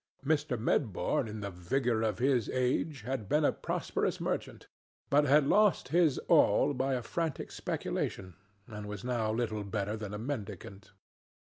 Mr. Medbourne, in the vigor of his age, had been a prosperous merchant, but had lost his all by a frantic speculation, and was now little better than a mendicant.